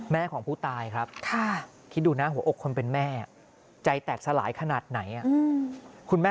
ของผู้ตายครับคิดดูนะหัวอกคนเป็นแม่ใจแตกสลายขนาดไหน